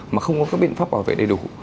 mà không có các biện pháp bảo vệ đầy đủ